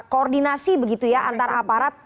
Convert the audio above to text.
koordinasi antara aparat